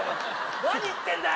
何言ってんだよ